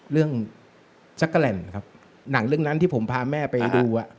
เรื่องชักกะแหล่นครับหนังเรื่องนั้นที่ผมพาแม่ไปดู